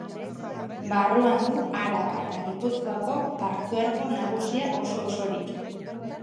Barruan du Araba eta Gipuzkoako partzuergo nagusia oso-osorik.